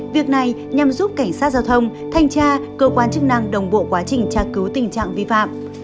việc này nhằm giúp cảnh sát giao thông thanh tra cơ quan chức năng đồng bộ quá trình tra cứu tình trạng vi phạm